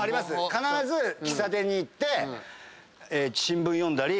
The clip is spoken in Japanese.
必ず喫茶店に行って新聞読んだり。